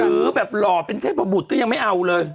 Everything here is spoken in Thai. หรือแบบหล่อเป็นเทพบุตรก็ยังไม่เอาเลย